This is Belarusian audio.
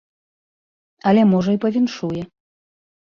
Але можа і павіншуе.